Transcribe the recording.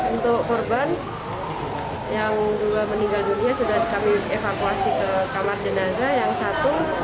untuk korban yang dua meninggal dunia sudah kami evakuasi ke kamar jenazah yang satu